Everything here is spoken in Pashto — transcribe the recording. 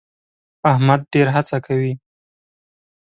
احمد ډېر هڅه کوي.